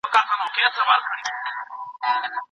زه هڅه کوم برس سم وکاروم.